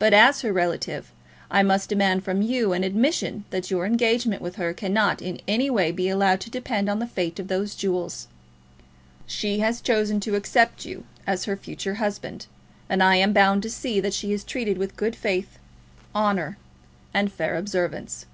But, as her relative, I must demand from you an admission that your engagement with her cannot in any way be allowed to depend on the fate of those jewels. She has chosen to accept you as her future husband, and I am bound to see that she is treated with good faith, honour, and fair observance."